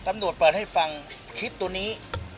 ตำรวจเปิดให้ฟังคลิปตัวนี้